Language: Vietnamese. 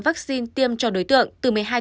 vaccine tiêm cho đối tượng từ một mươi hai